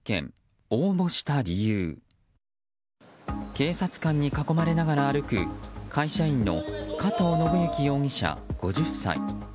警察官に囲まれながら歩く会社員の加藤信行容疑者、５０歳。